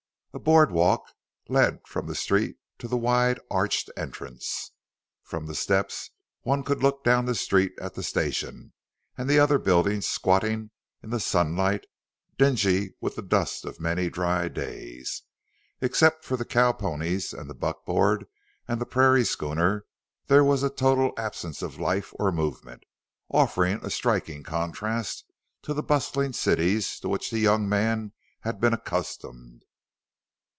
A board walk led from the street to the wide, arched entrance. From the steps one could look down the street at the station and the other buildings squatting in the sunlight, dingy with the dust of many dry days. Except for the cowponies and the buckboard and the prairie schooner there was a total absence of life or movement, offering a striking contrast to the bustling cities to which the young man had been accustomed.